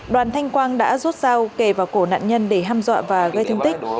đoàn thanh quang đã rút sao kề vào cổ nạn nhân để ham dọa và gây thương tích